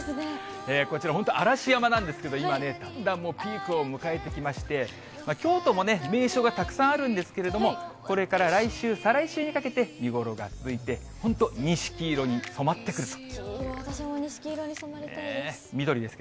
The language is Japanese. こちら本当、嵐山なんですけど、今ね、だんだんもうピークを迎えてきまして、京都もね、名所がたくさんあるんですけれども、これから来週、再来週にかけて、見頃が続いて、本当、私も錦色に染まりたいです。